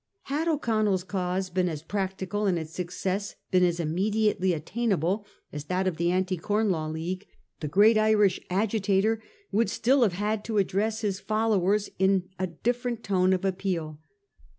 Had O'Connell's cause been as practical and its success been as immediately attainable as that of the Anti Corn Law League, the great Irish agitator would still have had to address his followers in a different tone of ap peal.